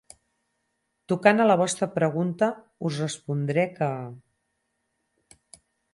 Tocant a la vostra pregunta, us respondré que...